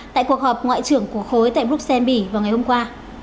tại cuộc họp ngoại trưởng của khối tại bruxelles bỉ vào ngày hôm qua